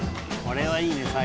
これはいいね